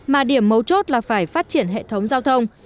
mà điểm mấu chốt là phải phát triển hệ thống giao thông